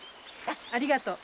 ありがとう。